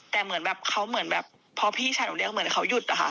แต่เหมือนแบบเขาเหมือนแบบพอพี่ชายหนูเรียกเหมือนเขาหยุดอะค่ะ